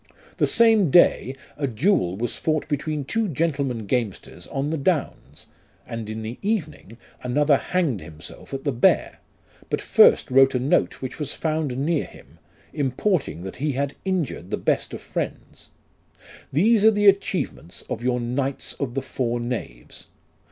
The same day a duel was fought between two gentlemen gamesters on the Downs, and in the evening another hanged himself at the Bear, but first wrote a note which was found near him, importing that he had injured the best of friends. These are the achieve ments of your Knights of the four Knaves.